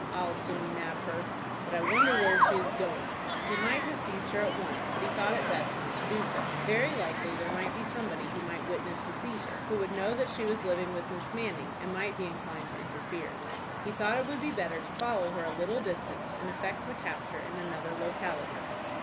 "I'll soon nab her. But I wonder where she is going." He might have seized her at once, but he thought it best not to do so. Very likely there might be somebody who might witness the seizure, who would know that she was living with Miss Manning, and might be inclined to interfere. He thought it would be better to follow her a little distance, and effect the capture in another locality.